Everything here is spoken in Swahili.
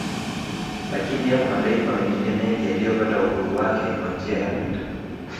Lakini yapo mataifa mengine mengi yaliyopata uhuru wake kwa njia ya vita